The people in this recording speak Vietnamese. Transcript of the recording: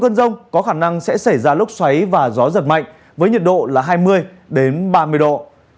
cơn rông có khả năng sẽ xảy ra lốc xoáy và gió giật mạnh với nhiệt độ là hai mươi ba mươi độ